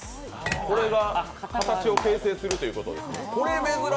これが形を形成するということ。